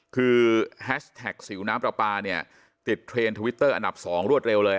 คือแฮชแท็กสิวน้ำปลาปลาเนี่ยติดเทรนด์ทวิตเตอร์อันดับ๒รวดเร็วเลย